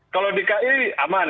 kalau di ki aman